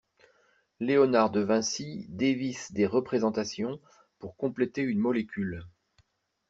Léonard De Vinci dévisse des représentations pour compléter une molécule.